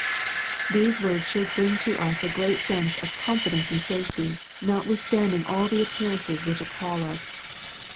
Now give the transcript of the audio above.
These words should bring to us a great sense of confidence and safety, notwithstand ing all the appearances which appal us.